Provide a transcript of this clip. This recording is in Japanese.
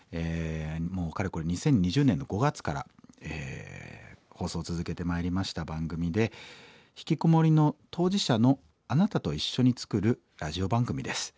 もうかれこれ２０２０年の５月から放送を続けてまいりました番組でひきこもりの当事者のあなたと一緒に作るラジオ番組です。